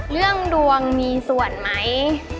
เรื่องดวงมีส่วนไหม